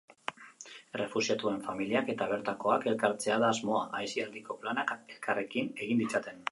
Errefuxiatuen familiak eta bertakoak elkartzea da asmoa, aisialdiko planak elkarrekin egin ditzaten.